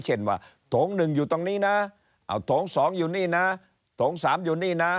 เช่นว่าโถงหนึ่งอยู่ตรงนี้นะเอาโถง๒อยู่นี่นะโถง๓อยู่นี่นะ